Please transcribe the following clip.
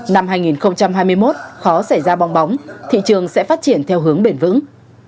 năm hai nghìn hai mươi một khó xảy ra bong bóng thị trường sẽ phát triển theo hướng bền vững